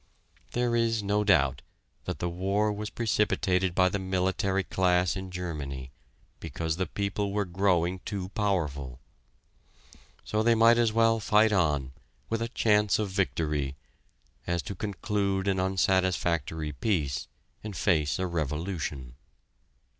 There is no doubt that the war was precipitated by the military class in Germany because the people were growing too powerful. So they might as well fight on, with a chance of victory, as to conclude an unsatisfactory peace and face a revolution.